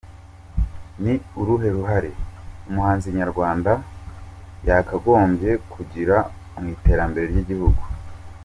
com :Ni uruhe ruhare umuhanzi nyarwanda yakagombye kugira mu iterambere ry’igihugu ?.